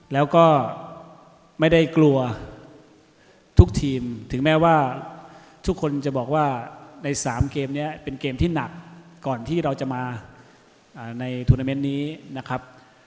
แล้วก็ไม่ได้กลัวทุกทีมถึงแม้ว่าทุกคนจะบอกว่าใน๓เกมนี้เป็นเกมที่หนักก่อนที่เราจะมาในทวนาเมนต์นี้นะครับ